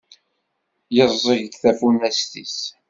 Yeẓẓeg-d tafunast-is.